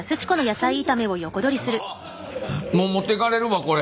ああもう持っていかれるわこれ。